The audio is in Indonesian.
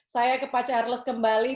saya ke pak charles kembali